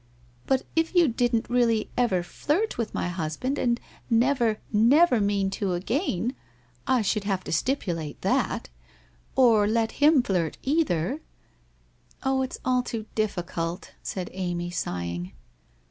'But if you didn't really ever flirt with my husband and never, never mean to again ... I should have to stipulate that, ... Or let him flirt cither? '' Oh, it's all too difficult,' said Amy, sighing.